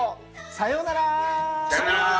さようなら。